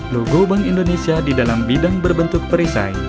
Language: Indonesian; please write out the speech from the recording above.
logo bank indonesia di dalam bidang berbentuk perisai